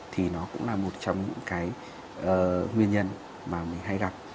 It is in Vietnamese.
thì nó cũng là một trong những cái nguyên nhân mà mình hay gặp